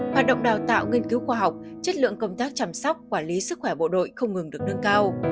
hoạt động đào tạo nghiên cứu khoa học chất lượng công tác chăm sóc quản lý sức khỏe bộ đội không ngừng được nâng cao